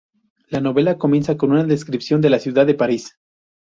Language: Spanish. La novela comienza con una descripción de la ciudad de París.